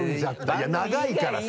いや長いからさ。